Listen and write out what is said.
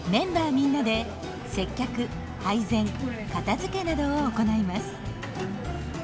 みんなで接客配膳片づけなどを行います。